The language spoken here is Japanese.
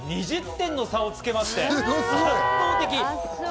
２位に２０点の差をつけまして、圧倒的。